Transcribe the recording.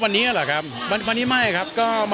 หรือว่าไม่ค่อย